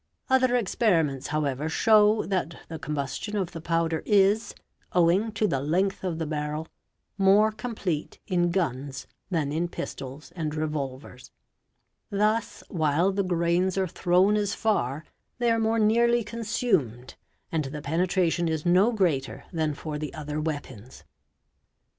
Other experiments however show that the combustion of the powder is, owing to the length of the barrel, more complete in guns than in pistol and revolvers; thus while the grains are thrown as far, they are more nearly consumed and the penetration is no greater than for the other weapons.